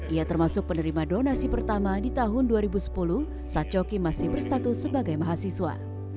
ia termasuk penerima donasi pertama di tahun dua ribu sepuluh saat coki masih berstatus sebagai mahasiswa